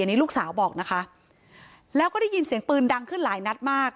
นี่ลูกสาวบอกนะคะแล้วก็ได้ยินเสียงปืนดังขึ้นหลายนัดมาก